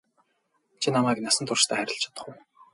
Чи намайг насан туршдаа хайрлаж чадах уу?